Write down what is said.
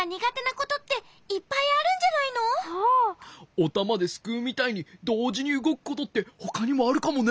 おたまですくうみたいにどうじにうごくことってほかにもあるかもね。